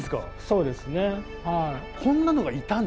そうですね。